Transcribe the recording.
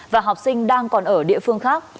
và học sinh đang còn ở địa phương khác